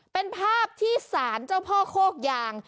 เป็นภาพที่สารเจ้าพ่อโคกยาง